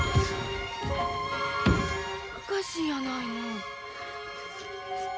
おかしいやないの。